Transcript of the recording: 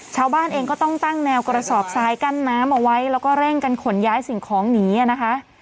ชาวบ้านเองก็ต้องตั้งแนวกระสอบทรายกั้นน้ำเอาไว้แล้วก็เร่งกันขนย้ายสิ่งของหนีนะคะ